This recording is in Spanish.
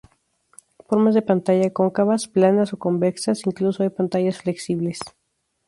Formas de pantalla cóncavas, planas o convexas, incluso hay pantallas flexibles.